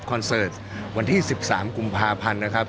เสิร์ตวันที่๑๓กุมภาพันธ์นะครับ